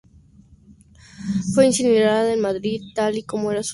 Fue incinerada en Madrid tal y como era su deseo.